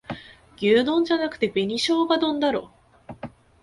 牛丼じゃなくて紅しょうが丼だろ